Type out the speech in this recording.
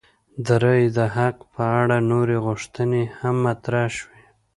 د رایې د حق په اړه نورې غوښتنې هم مطرح شوې.